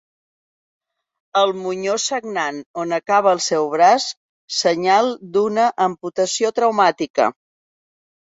El monyó sagnant on acaba el seu braç, senyal d'una amputació traumàtica.